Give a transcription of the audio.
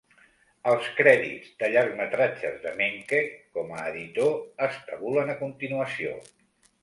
Els crèdits de llargmetratges de Menke com a editor es tabulen a continuació.